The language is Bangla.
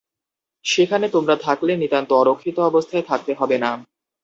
সেখানে তোমরা থাকলে নিতান্ত অরক্ষিত অবস্থায় থাকতে হবে না।